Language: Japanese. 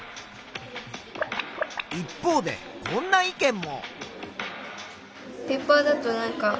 一方でこんな意見も。